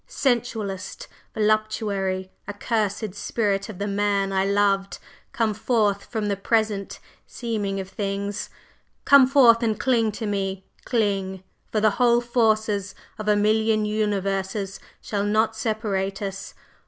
Sensualist! Voluptuary! Accursëd spirit of the man I loved, come forth from the present Seeming of things! Come forth and cling to me! Cling! for the whole forces of a million universes shall not separate us!